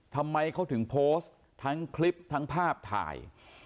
ทำไมเขาถึงโพสต์ทั้งคลิปทั้งภาพถ่าย